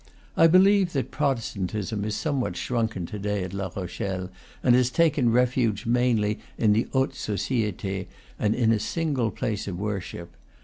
I believe that Protestantism is somewhat shrunken to day at La Rochelle, and has taken refuge mainly in. the haute societe and in a single place of worship.